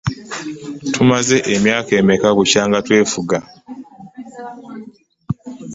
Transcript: Tumaze emyaka emeka bukya twefuga?